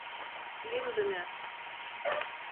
«Лӱмдымӧ».